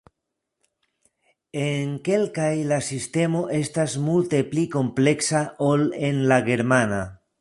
En kelkaj la sistemo estas multe pli kompleksa ol en la germana.